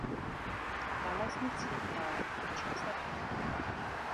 ალას მჷცხი ხა̄რ, ეჩას – ა̈თუ.